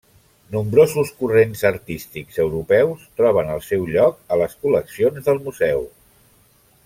Nombrosos corrents artístics europeus troben el seu lloc a les col·leccions del museu.